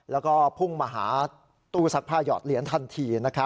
แล้วก็พุ่งมาหาตู้ซักผ้าหยอดเหรียญทันที